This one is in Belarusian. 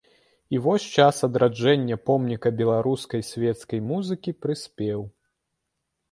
І вось час адраджэння помніка беларускай свецкай музыкі прыспеў.